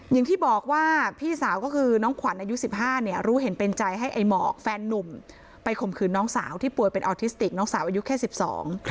อย่างที่บอกว่าพี่สาวก็คือน้องขวัญอายุสิบห้าเนี่ยรู้เห็นเป็นใจให้ไอ้หมอกแฟนนุ่มไปข่มขืนน้องสาวที่ป่วยเป็นออทิสติกน้องสาวอายุแค่สิบสอง